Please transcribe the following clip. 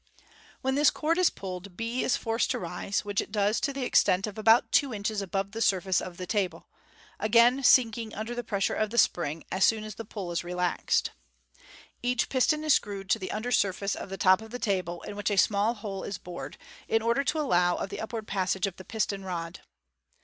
When this cord is pulled, b is forced to rise, which it does to the extent of about two inches above the surface of the table (see Fig. 278), again sinking under the pressure of the spring, as soon as the pull is relaxed. Each piston is screwed to the under surface of the top of the table, in which a small hole is kored, in order to allow of the upward passage of the piston rod.